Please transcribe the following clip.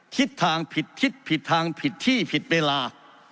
ทิศทางผิดทิศผิดทางผิดที่ผิดเวลา